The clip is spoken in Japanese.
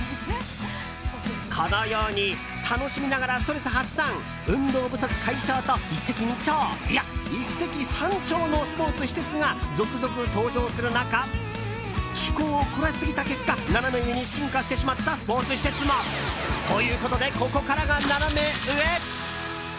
このように楽しみながらストレス発散運動不足解消と一石二鳥いや、一石三鳥のスポーツ施設が続々登場する中趣向を凝らしすぎた結果ナナメ上に進化してしまったスポーツ施設も。ということでここからがナナメ上！